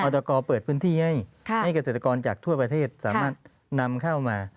ตกเปิดพื้นที่ให้ให้เกษตรกรจากทั่วประเทศสามารถนำเข้ามา